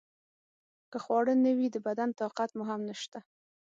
که خواړه نه وي د بدن طاقت مو هم نشته.